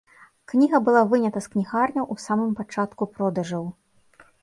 Кніга была вынята з кнігарняў у самым пачатку продажаў.